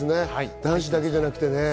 男子だけじゃなくて。